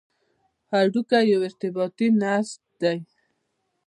هډوکی یو ارتباطي نسج دی.